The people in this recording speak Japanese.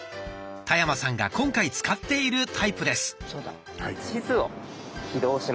田山さんが今回使っているタイプです。